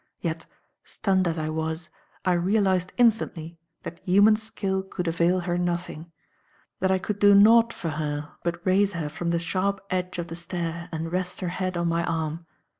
Yet, stunned as I was, I realized instantly that human skill could avail her nothing; that I could do nought for her but raise her from the sharp edge of the stair and rest her head on my arm.